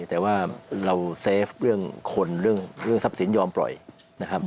แต่ว่าเราเซฟเรื่องคนเรื่องทรัพย์สินยอมปล่อยนะครับ